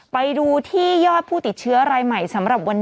ไปดูที่ยอดผู้ติดเชื้อรายใหม่สำหรับวันนี้